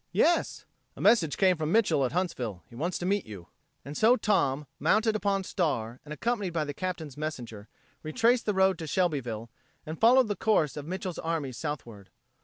"Yes." "A message came from Mitchel at Huntsville. He wants to see you." And so Tom, mounted upon Star and accompanied by the Captain's messenger, retraced the road to Shelbyville and followed the course of Mitchel's army southward.